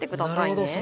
なるほど。